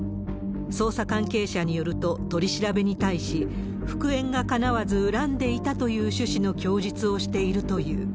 捜査関係者によると、取り調べに対し、復縁がかなわず恨んでいたという趣旨の供述をしているという。